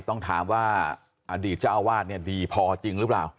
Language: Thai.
ต้องถามว่าอดีตเจ้าวาดดีพอจริงหรือเปล่า